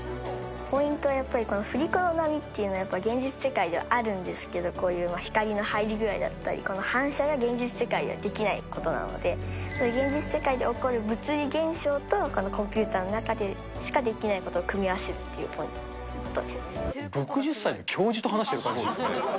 ポイントはやっぱりこの振り子の波っていうのはやっぱり現実世界ではあるんですけど、こういう光の入り具合だったり、この反射が現実世界ではできないことなので、現実世界で起こる物理現象と、このコンピューターの中でしかできないことを組み合わせるという６０歳の教授と話している感じですね。